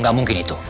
gak mungkin itu